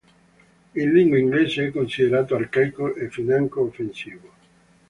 In lingua inglese è considerato arcaico e financo offensivo.